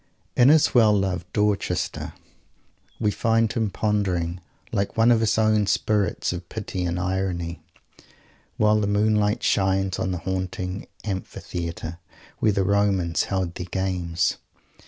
In his well loved Dorchester we find him pondering, like one of his own spirits of Pity and Irony, while the moonlight shines on the haunted amphitheatre where the Romans held their games.